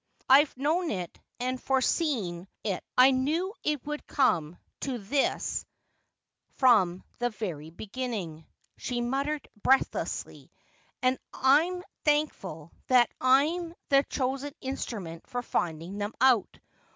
' I've known it and foreseen 350 Asphodel. it. I knew it would come to this from fhe very beginning,' she muttered breathlessly ;' and I'm thankful that I'm the chosen instrument for finding them out.